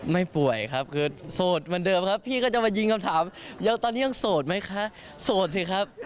ไม่ป่วยครับคือโสดเหมือนเดิมครับพี่ก็จะมายิงคำถามตอนนี้ยังโสดไหมคะโสดสิครับ